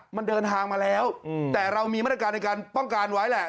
มันเดินทางมาแล้วแต่เรามีมาตรการในการป้องกันไว้แหละ